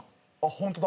ホントだ。